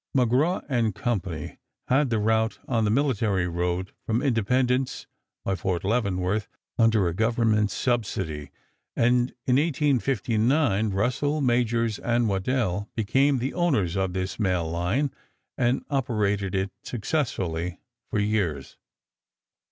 McGraw & Co. had the route on the military road from Independence by Fort Leavenworth under a government subsidy, and in 1859 Russell, Majors & Waddell became the owners of this mail line and operated it successfully for years.